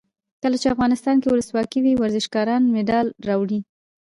کله چې افغانستان کې ولسواکي وي ورزشکاران مډال راوړي.